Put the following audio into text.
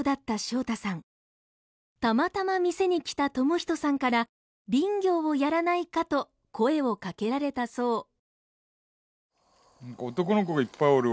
たまたま店に来た智仁さんから林業をやらないか？と声をかけられたそう。